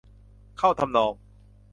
เข้าทำนอง